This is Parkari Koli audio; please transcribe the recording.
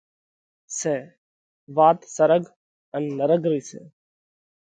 سئہ! وات سرڳ ان نرڳ رئِي سئہ!